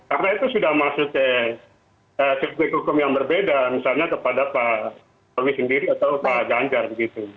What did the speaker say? karena itu sudah masuk ke subjek hukum yang berbeda misalnya kepada pak rumi sendiri atau pak janjar begitu